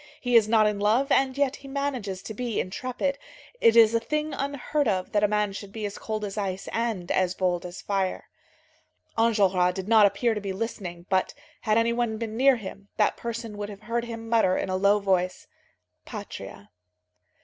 He is not in love, and yet he manages to be intrepid. It is a thing unheard of that a man should be as cold as ice and as bold as fire." Enjolras did not appear to be listening, but had any one been near him, that person would have heard him mutter in a low voice: "Patria."